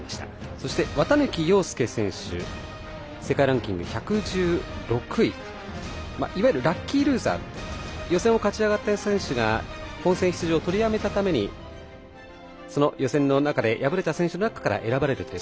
そして、綿貫陽介選手は世界ランキング１１６位。いわゆるラッキールーザー。予選を勝ち上がった選手が本戦出場を取りやめたためにその予選の中で敗れた選手の中から選ばれると。